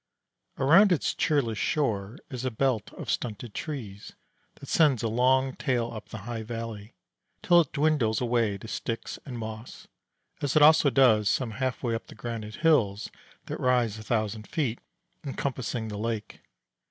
Around its cheerless shore is a belt of stunted trees, that sends a long tail up the high valley, till it dwindles away to sticks and moss, as it also does some half way up the granite hills that rise a thousand feet, encompassing the lake.